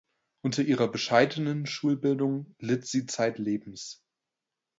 Unter ihrer bescheidenen Schulbildung litt sie zeitlebens.